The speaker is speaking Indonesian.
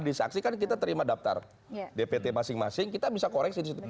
jadi saksi kan kita terima daftar dpt masing masing kita bisa koreksi di situ